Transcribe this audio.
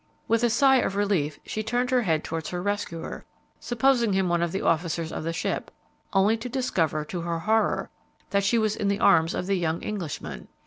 With a sigh of relief she turned her head towards her rescuer, supposing him one of the officers of the ship, only to discover, to her horror, that she was in the arms of the young Englishman.